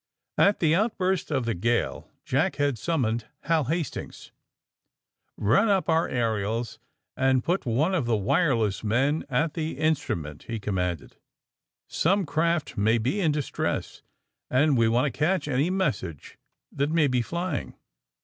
At the outburst of the gale Jack had sum moned Hal Hastings. Run up our aerials, and put one of the wire AND THE SMUGGLEES 109 less men at the instrument/' he commanded. *^Some craft may be in distress, and we want to catch any message that may be flying."